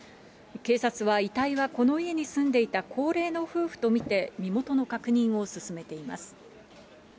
警察は、遺体はこの家に住んでいた高齢の夫婦と見て、身元の確認を進めています。